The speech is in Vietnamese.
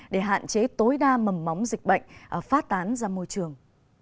để hạn chế tối đa mầm móng dịch bệnh phát tán ra môi trường